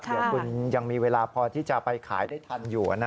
เดี๋ยวคุณยังมีเวลาพอที่จะไปขายได้ทันอยู่